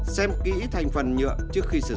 xem kỹ thành phần nhựa trước khi sử dụng